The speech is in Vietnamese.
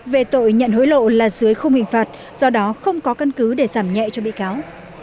về tội nhận hối lộ là dưới không hình phạt do đó không có căn cứ để giảm nhẹ cho bị cáo